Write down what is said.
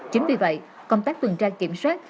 chính vì vậy công tác tuần tra kiểm soát